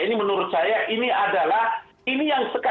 ini menurut saya ini adalah